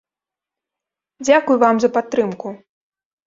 Дзякуй вам за падтрымку!